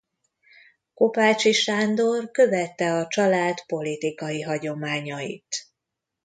Kopácsi Sándor követte a család politikai hagyományait.